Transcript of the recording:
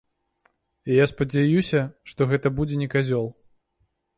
І я спадзяюся, што гэта будзе не казёл.